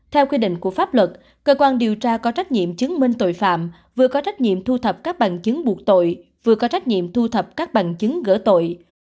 theo quy định của pháp luật cơ quan điều tra có trách nhiệm chứng minh tội phạm vừa có trách nhiệm thu thập các bằng chứng buộc tội vừa có trách nhiệm thu thập các bằng chứng gỡ tội